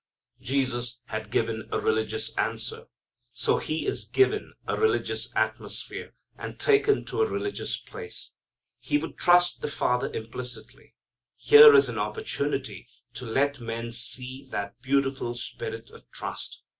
Jesus had given a religious answer. So He is given a religious atmosphere, and taken to a religious place. He would trust the Father implicitly. Here is an opportunity to let men see that beautiful spirit of trust.